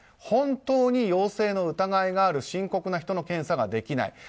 本当に陽性の疑いがある深刻な人の検査ができない。